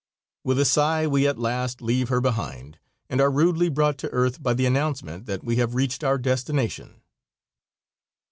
With a sigh we at last leave her behind and are rudely brought to earth by the announcement that we have reached our destination.